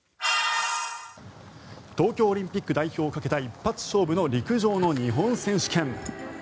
東京オリンピック代表をかけた一発勝負の陸上の日本選手権。